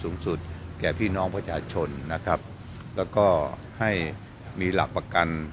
สูงสุดแก่พี่น้องประชาชนนะครับแล้วก็ให้มีหลักประกัน